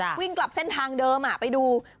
และก็วิ่งกลับเส้นทางเดิมไปดูครับ